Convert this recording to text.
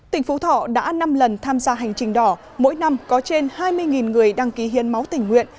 tỉnh phú thọ đã năm lần tham gia hành trình đỏ mỗi năm có trên hai mươi người đăng ký hiến máu tình nguyện